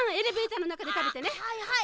あはいはい。